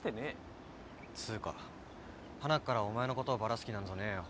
つうかはなっからお前のことをバラす気なんぞねえよ。